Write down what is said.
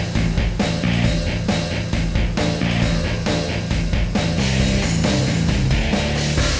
gue kan harus buru buru